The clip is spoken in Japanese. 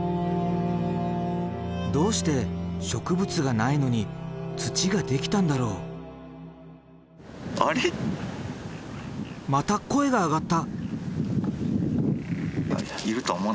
どうして植物がないのに土ができたんだろう？また声が上がった。